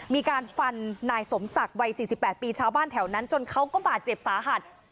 มีการฟันนายสมศักดิ์วัย๔๘ปีชาวบ้านแถวนั้นจนเขาก็บาดเจ็บสาหัส